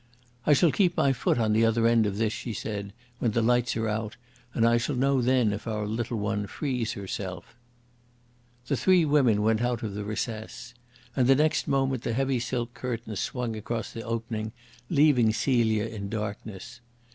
"I shall keep my foot on the other end of this," she said, "when the lights are out, and I shall know then if our little one frees herself." The three women went out of the recess. And the next moment the heavy silk curtains swung across the opening, leaving Celia in darkness.